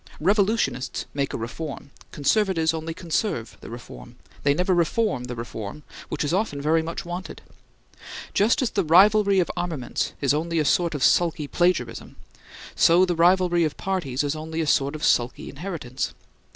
Revolutionists make a reform, Conservatives only conserve the reform. They never reform the reform, which is often very much wanted. Just as the rivalry of armaments is only a sort of sulky plagiarism, so the rivalry of parties is only a sort of sulky inheritance.